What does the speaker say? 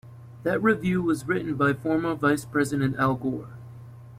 That review was written by former Vice President Al Gore.